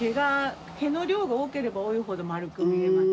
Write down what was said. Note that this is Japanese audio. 毛の量が多ければ多いほど丸く見えます。